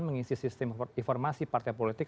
mengisi sistem informasi partai politik